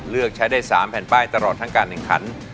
เลือกใช้ได้๓แผ่นป้ายตลอดทั้งการแข่งขัน